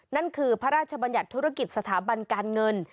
นั่นคือพระราชบัญญัติธุรกิจสถาบันการเงิน